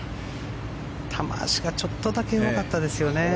球足がちょっとだけ弱かったですよね。